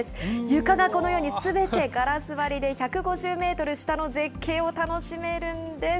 床がこのようにすべてガラス張りで、１５０メートル下の絶景を楽しめるんです。